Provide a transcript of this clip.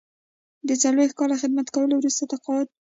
د څلویښت کاله خدمت کولو وروسته تقاعد.